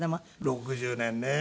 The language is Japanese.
６０年ね。